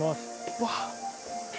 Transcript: うわっ。